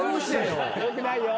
よくないよ。